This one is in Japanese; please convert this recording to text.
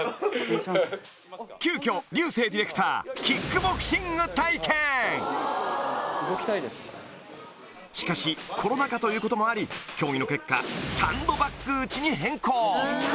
急きょ流星ディレクターしかしコロナ禍ということもあり協議の結果